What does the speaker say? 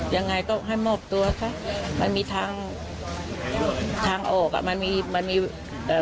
ยังไงก็ให้มอบตัวซะมันมีทางทางออกอ่ะมันมีมันมีเอ่อ